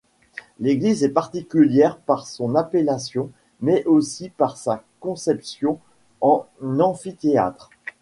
L'église est particulière par son appellation, mais aussi par sa conception en amphithéâtre.